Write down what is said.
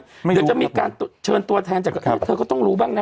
เดี๋ยวจะมีการเชิญตัวแทนจากเธอก็ต้องรู้บ้างนะ